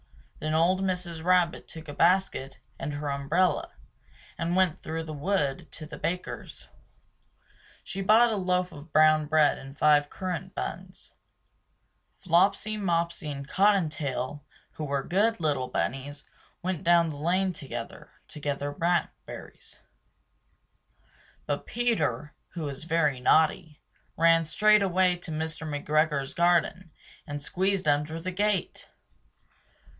Then old Mrs. Rabbit took a basket and her umbrella and went through the wood to the baker's. She bought a loaf of brown bread and five currant buns. Flopsy, Mopsy and Cotton tail who were good little bunnies went down the lane together To gather blackberries. But Peter who was very naughty, ran straight away to Mr. McGregor's garden and Squeezed under the gate!